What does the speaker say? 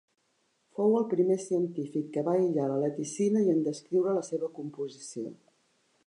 Fou el primer científic que va aïllar la lecitina i en descriure la seva composició.